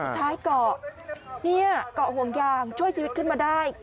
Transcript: ท้ายเกาะเนี่ยเกาะห่วงยางช่วยชีวิตขึ้นมาได้